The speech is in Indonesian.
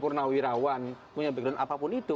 purnawirawan punya background apapun itu